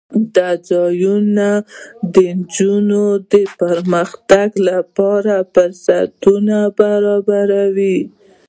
دا ځایونه د نجونو د پرمختګ لپاره فرصتونه برابروي.